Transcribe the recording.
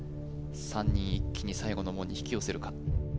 ３人一気に最後の門に引き寄せるか